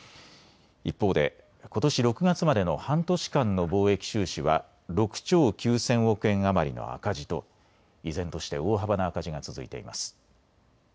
一方でことし６月までの半年間の貿易収支は６兆９０００億円余りの赤字と依然として大幅な赤字が続いています。